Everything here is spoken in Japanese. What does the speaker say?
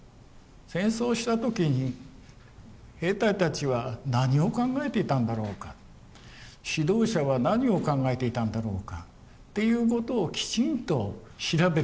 戦争をした時に兵隊たちは何を考えていたんだろうか指導者は何を考えていたんだろうかっていうことをきちんと調べる。